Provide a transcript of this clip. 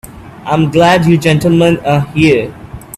I'm glad you gentlemen are here.